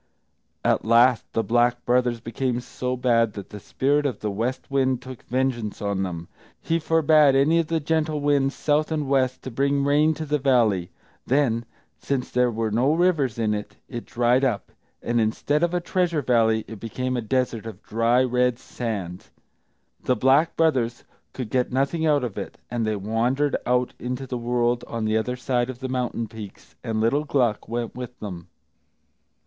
At last the Black Brothers became so bad that the Spirit of the West Wind took vengeance on them; he forbade any of the gentle winds, south and west, to bring rain to the valley. Then, since there were no rivers in it, it dried up, and instead of a treasure valley it became a desert of dry, red sand. The Black Brothers could get nothing out of it, and they wandered out into the world on the other side of the mountain peaks; and little Gluck went with them.